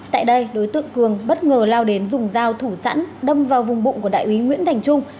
tại đây đối tượng cường bất ngờ lao đến dùng dao thủ sẵn đâm vào vùng bụng của đại úy nguyễn thành trung